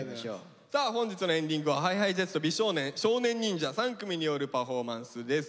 さあ本日のエンディングはＨｉＨｉＪｅｔｓと美少年少年忍者３組によるパフォーマンスです。